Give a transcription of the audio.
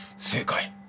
正解！